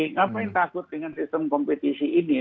ngapain takut dengan sistem kompetisi ini